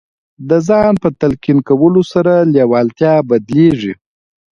د ځان په تلقین کولو سره لېوالتیا بدلېږي